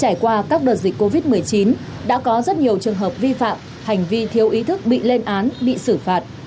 trải qua các đợt dịch covid một mươi chín đã có rất nhiều trường hợp vi phạm hành vi thiếu ý thức bị lên án bị xử phạt